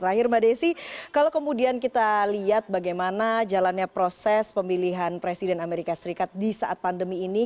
terakhir mbak desi kalau kemudian kita lihat bagaimana jalannya proses pemilihan presiden amerika serikat di saat pandemi ini